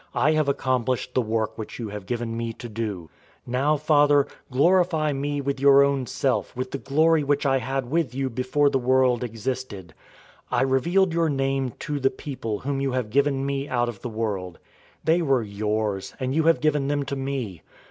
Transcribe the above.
I have accomplished the work which you have given me to do. 017:005 Now, Father, glorify me with your own self with the glory which I had with you before the world existed. 017:006 I revealed your name to the people whom you have given me out of the world. They were yours, and you have given them to me.